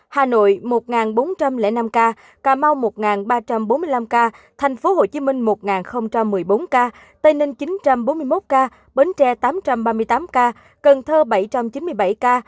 hà nội một bốn trăm linh năm ca cà mau một ba trăm bốn mươi năm ca tp hcm một một mươi bốn ca tây ninh chín trăm bốn mươi một ca bến tre tám trăm ba mươi tám ca cần thơ bảy trăm chín mươi bảy ca